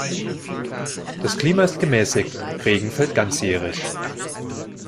Das Klima ist gemäßigt, Regen fällt ganzjährig.